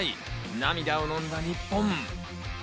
涙をのんだ日本。